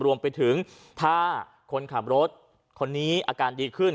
รวมไปถึงถ้าคนขับรถคนนี้อาการดีขึ้น